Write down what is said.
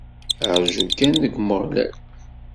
Rǧu kan deg Umeɣlal!